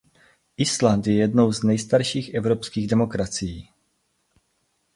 Island je jednou z nejstarších evropských demokracií.